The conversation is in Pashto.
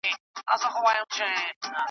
نه د بل په عقل پوهه کومکونو .